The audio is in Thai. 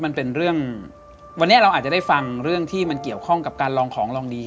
มันเป็นเรื่องวันนี้เราอาจจะได้ฟังเรื่องที่มันเกี่ยวข้องกับการลองของลองดี